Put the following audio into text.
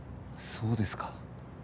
そうですか。